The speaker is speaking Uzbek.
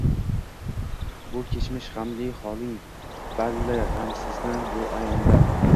Bu kechmish gʻamli holing balli, gʻamsizmi bu ayonda